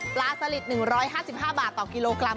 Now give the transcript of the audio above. สลิด๑๕๕บาทต่อกิโลกรัม